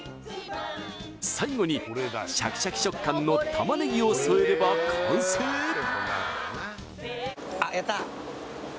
最後にシャキシャキ食感の玉ねぎを添えれば完成やった！